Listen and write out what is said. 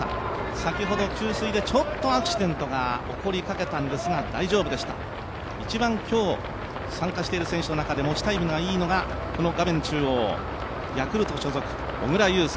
先ほど給水でちょっとアクシデントが起こりかけましたが大丈夫でした、一番、今日、参加している選手の中で持ちタイムがいいのがヤクルト所属・小椋裕介。